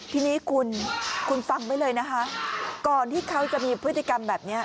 ทีนี้คุณคุณฟังไว้เลยนะคะก่อนที่เขาจะมีพฤติกรรมแบบนี้